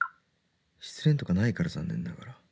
失恋とかないから残念ながら」